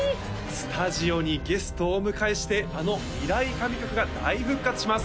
スタジオにゲストをお迎えしてあの未来神曲が大復活します